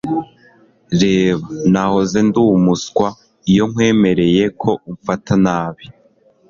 reba, nahoze ndi umuswa iyo nkwemereye ko umfata nabi